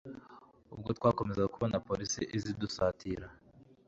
Ubwo twakomezaga kubona police iza idusatira